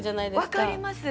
分かります。